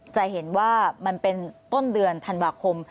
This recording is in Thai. จะเห็นว่ามันเป็นต้นเดือนธันวาคม